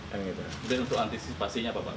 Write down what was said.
dan untuk antisipasinya apa pak